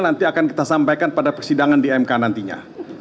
nanti akan kita sampaikan pada persidangan di mk nantinya